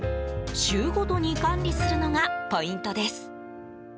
週ごとに管理するのがポイントです。